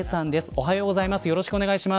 おはようございます。